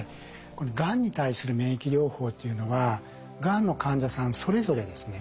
このがんに対する免疫療法というのはがんの患者さんそれぞれですね